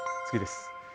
次です。